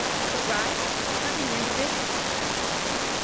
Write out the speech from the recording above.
THE RIGHTS OF THE INDIVIDUAL.